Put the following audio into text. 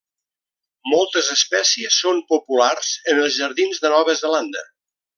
Moltes espècies són populars en els jardins de Nova Zelanda.